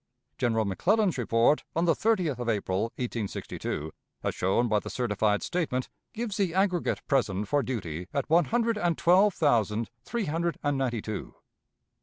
General McClellan's report on the 30th of April, 1862, as shown by the certified statement, gives the aggregate present for duty at one hundred and twelve thousand three hundred and ninety two.